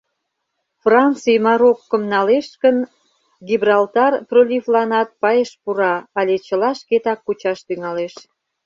Франций Мароккым налеш гын, Гибралтар проливланат пайыш пура але чыла шкетак кучаш тӱҥалеш.